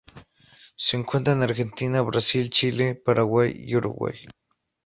Se encuentra en Argentina, Brasil, Chile Paraguay y Uruguay.